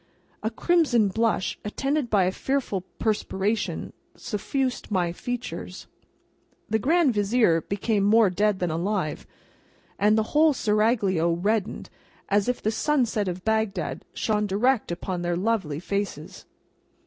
A crimson blush, attended by a fearful perspiration, suffused my features. The Grand Vizier became more dead than alive, and the whole Seraglio reddened as if the sunset of Bagdad shone direct upon their lovely faces.